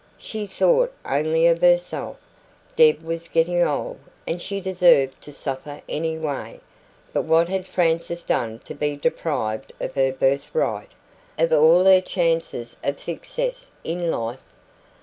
She thought only of herself. Deb was getting old, and she deserved to suffer anyway; but what had Frances done to be deprived of her birth right, of all her chances of success in life?